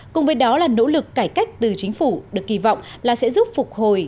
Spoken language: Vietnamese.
cùng với đó là nỗ lực cải cách từ chính phủ được kỳ vọng là sẽ giúp phục hồi